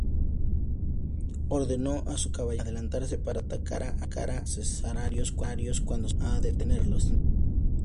Ordenó a su caballería adelantarse para atacara a los cesarianos cuando salieran a detenerlos.